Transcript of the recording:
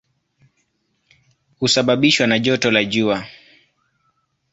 Husababishwa na joto la jua.